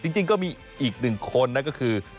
จริงก็มีอีกหนึ่งคนนะก็คือ